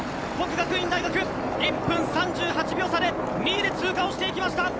國學院大學、１分３８秒差で２位で通過していきました。